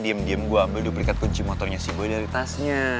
diam diam gua ambil duplikat kunci motornya si boy dari tasnya